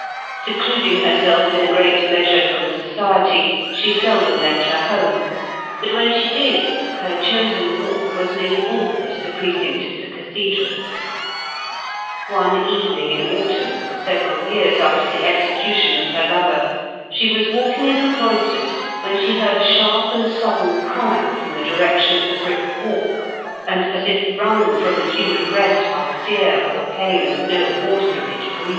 Secluding herself in a great measure from society, she seldom left her home, but when she did her chosen walk was nearly always the precinct of the cathedral. One evening in autumn, several years after the execution of her lover, she was walking in the cloisters when she heard a sharp and sudden cry from the direction of the Brick Walk, and as if wrung from the human breast by fear or pain of no ordinary degree.